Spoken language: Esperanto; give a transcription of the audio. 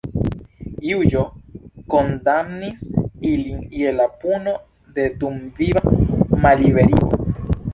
Juĝo kondamnis ilin je la puno de dumviva malliberigo.